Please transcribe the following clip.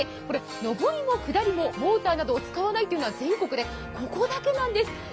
これ、上りも下りもモーターなどを使わないというのは全国でもここだけなんです。